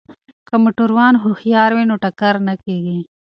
که موټروان هوښیار وي نو ټکر نه کیږي.